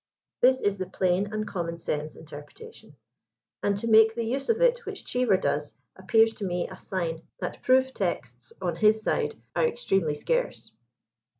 '* This is the plain and common sense interpre tation, and to make the use of it which Cheever does, appears to me a sign that proof texts on his side are extremely scarce.